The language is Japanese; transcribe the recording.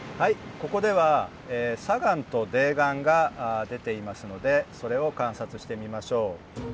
ここでは砂岩と泥岩が出ていますのでそれを観察してみましょう。